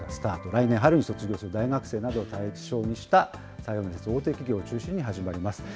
来年春に卒業する大学生などを対象にした採用、大手企業を中心に始まります。